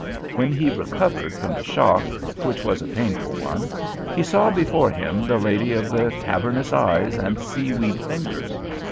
When he recovered from the shock, which was a painful one, he saw before him the lady of the cavernous eyes and sea weed fingers.